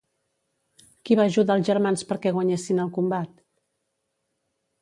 Qui va ajudar els germans perquè guanyessin el combat?